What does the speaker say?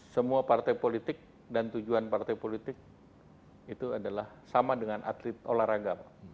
semua partai politik dan tujuan partai politik itu adalah sama dengan atlet olahraga pak